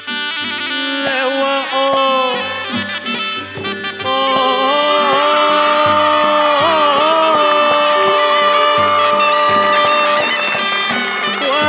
แล้วโอ้โฮ